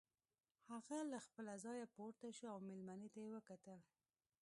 هغه له خپله ځايه پورته شو او مېلمنې ته يې وکتل.